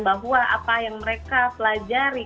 bahwa apa yang mereka pelajari